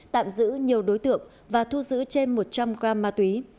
tạm giữ nhiều đối tượng và thu giữ trên một trăm linh gram ma túy